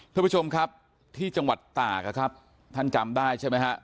ท่านผู้ชมครับที่จังหวัดตากนะครับท่านจำได้ใช่ไหมฮะ